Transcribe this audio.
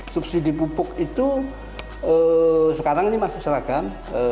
subsidi pupuk itu sekarang ini masih seragam